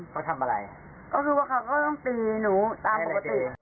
เขาทำอะไรก็คือว่าเขาก็ต้องตีหนูตามปกติ